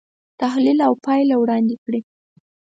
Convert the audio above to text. تحلیل او پایله وړاندې کړي.